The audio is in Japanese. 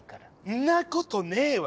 んなことねえわ！